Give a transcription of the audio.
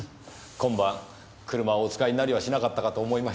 今晩車をお使いになりはしなかったかと思いまして。